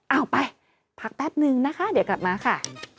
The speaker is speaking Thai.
เอาไปพักแป๊บนึงนะคะเดี๋ยวกลับมาค่ะ